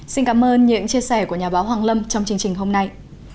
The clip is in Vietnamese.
xin cảm ơn những chia sẻ của nhà báo hoàng lâm trong chương trình hôm nay